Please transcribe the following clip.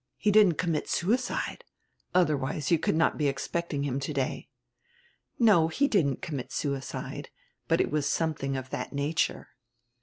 He didn't commit suicide, otherwise you could not be expecting him today." "No, he didn't commit suicide, but it was something of that nature."